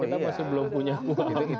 kita masih belum punya uang